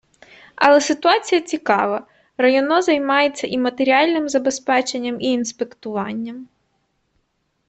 Але ситуація цікава: районо займається і матеріальним забезпеченням, і інспектуванням.